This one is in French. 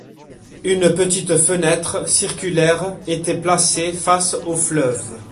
Une petite fenêtre circulaire était placée face au fleuve.